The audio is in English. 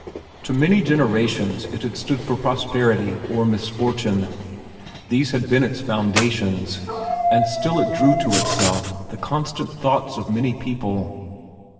To many generations it had stood for prosperity or misfortune—these had been its foundations, and still it drew to itself the constant thoughts of many people.